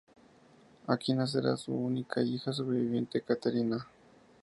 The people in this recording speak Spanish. Aquí nacerá su única hija sobreviviente, Caterina.